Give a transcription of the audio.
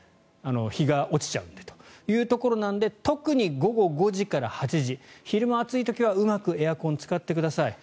日が落ちちゃうんでというところなので特に午後５時から８時昼間暑い時はうまくエアコンを使ってください。